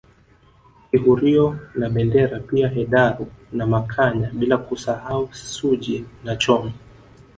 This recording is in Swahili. Kihurio na Bendera pia Hedaru na Makanya bila kusahau Suji na Chome